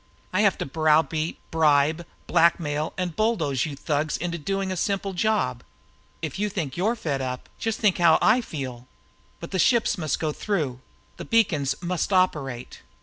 I have to browbeat, bribe, blackmail and bulldoze you thugs into doing a simple job. If you think you're fed up, just think how I feel. But the ships must go through! The beacons must operate!"